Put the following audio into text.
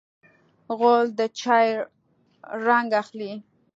غول د چای رنګ اخلي.